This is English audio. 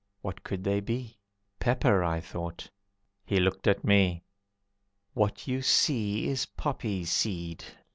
What could they be: "Pepper," I thought. He looked at me. "What you see is poppy seed.